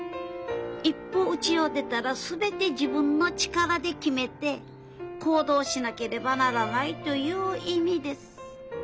『一歩うちを出たらすべて自分の力で決めて行動しなければならない』という意味です。